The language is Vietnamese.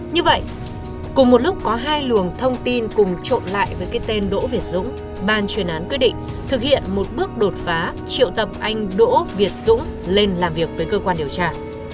như vậy cùng một lúc có hai luồng thông tin cùng trộn lại với cái tên đỗ việt dũng ban truyền án quyết định thực hiện một bước đột phá triệu tập anh đỗ việt dũng lên làm việc với cơ quan điều tra